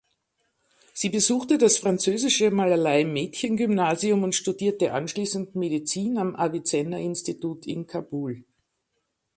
Sie besuchte das französische Malalai-Mädchengymnasium und studierte anschließend Medizin am Avicenna-Institut in Kabul.